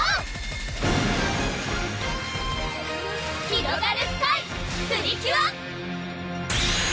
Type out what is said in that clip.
ひろがるスカイ！プリキュア！